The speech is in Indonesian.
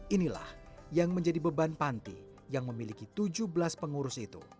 inilah yang menjadi beban panti yang memiliki tujuh belas pengurus itu